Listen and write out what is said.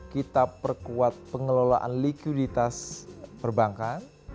kita perkuat pengelolaan likuiditas perbankan